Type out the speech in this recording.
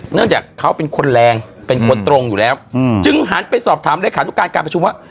เนื่องจากเขาเป็นคนแรงเป็นคนตรงอยู่แล้วจึงหันไปสอบถามเลขานุการการประชุมว่า